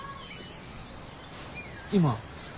今。